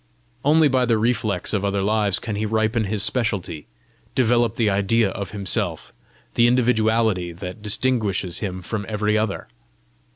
Only by the reflex of other lives can he ripen his specialty, develop the idea of himself, the individuality that distinguishes him from every other.